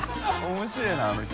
面白いなあの人。